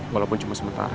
walaupun cuma sementara